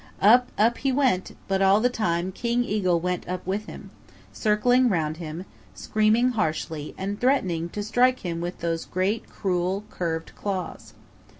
Up, up he went, but all the time King Eagle went up with him, circling round him, screaming harshly, and threatening to strike him with those great cruel, curved claws.